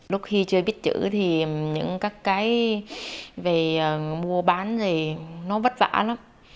lúc khi chưa biết chữ thì những các cái về mua bán thì nó vất vả lắm